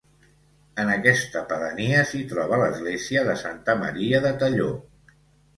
En aquesta pedania s'hi troba l'església de Santa Maria de Talló.